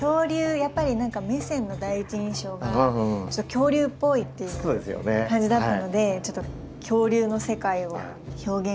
やっぱり何かメセンの第一印象が恐竜っぽいっていう感じだったのでちょっと恐竜の世界を表現してみました。